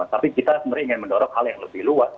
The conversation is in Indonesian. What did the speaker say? tapi kita sebenarnya ingin mendorong hal yang lebih luas